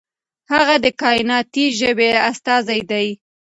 هغه د کائناتي ژبې استازی دی.